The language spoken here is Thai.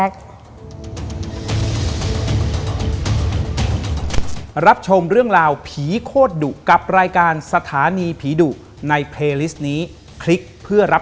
ขอบคุณนะจ้าวสวัสดีจ้าวพี่แจ๊ค